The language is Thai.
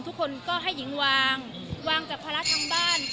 ทุกคนก็ให้หญิงวางวางจากภาระทั้งบ้าน